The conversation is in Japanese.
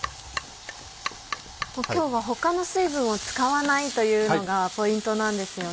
今日は他の水分を使わないというのがポイントなんですよね。